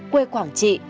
quê quảng trị